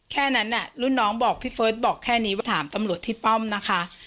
แค่นั้นรุ่นน้องบอกพี่เฟิร์สบอกแค่นี้ว่าถามตำรวจที่ป้อมนะคะ